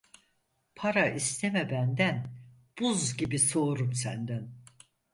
Para isteme benden, buz gibi soğurum senden.